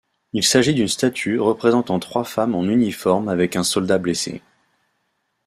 Il s'agit d'une statue représentant trois femmes en uniforme avec un soldat blessé.